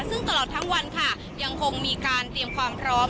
ซึ่งตลอดทั้งวันค่ะยังคงมีการเตรียมความพร้อม